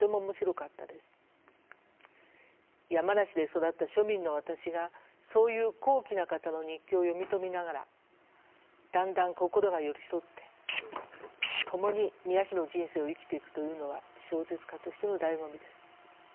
山梨で育った庶民の私がそういう高貴な方の日記を読み解きながらだんだん心が寄り添って共に宮妃の人生を生きていくというのは小説家としてのだいご味です。